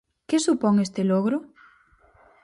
Que supón este logro?